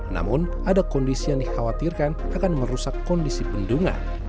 namun ada kondisi yang dikhawatirkan akan merusak kondisi bendungan